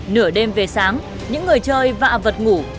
nửa đêm về sáng những người chơi vạ vật ngủ